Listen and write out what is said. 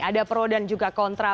ada pro dan juga kontra